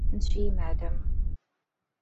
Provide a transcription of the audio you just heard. জি, madam.